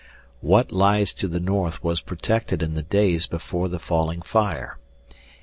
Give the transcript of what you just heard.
"What lies to the north was protected in the days before the falling fire.